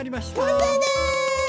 完成です！